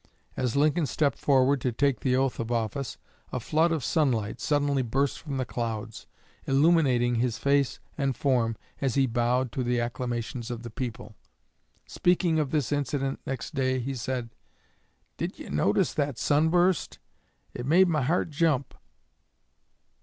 As Lincoln stepped forward to take the oath of office, a flood of sunlight suddenly burst from the clouds, illuminating his face and form as he bowed to the acclamations of the people. Speaking of this incident next day, he said, "Did you notice that sunburst? It made my heart jump."